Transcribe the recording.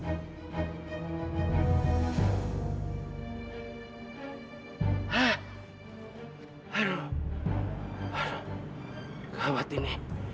satu perempuan ganteng